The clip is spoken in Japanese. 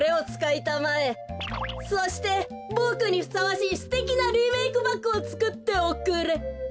そしてボクにふさわしいすてきなリメークバッグをつくっておくれ。